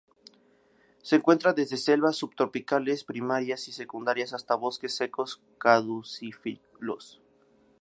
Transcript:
Se encuentra desde selvas subtropicales primarias y secundarias hasta bosques secos caducifolios.